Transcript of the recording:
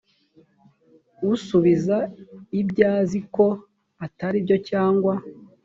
usubiza ibyo azi ko atari byo cyangwa